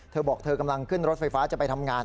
เธอบอกเธอกำลังขึ้นรถไฟฟ้าจะไปทำงาน